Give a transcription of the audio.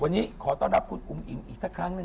วันนี้ขอต้อนรับคุณอุ๋มอิ๋มอีกสักครั้งหนึ่ง